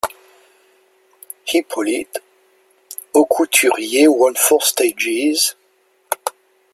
Hippolyte Aucouturier won four stages.